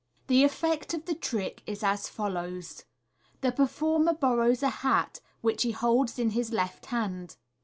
The effect of the trick is as follows :— The performer borrows a hat, which he holds in his left hand.